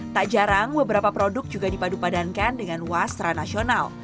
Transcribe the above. tak jarang beberapa produk juga dipadupadankan dengan wasra nasional